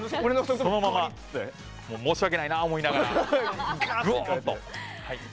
そのまま申し訳ないな思いながらガッと。